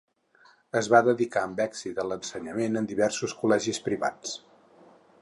Es va dedicar amb èxit a l'ensenyament en diversos col·legis privats.